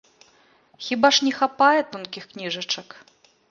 Хіба ж не хапае тонкіх кніжачак?